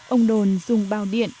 ông đồn dùng bào điện